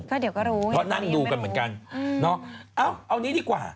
ก็เดี๋ยวก็รู้เพราะนั่งดูกันเหมือนกันเนาะเอานี้ดีกว่า